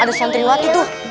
ada santri watih tuh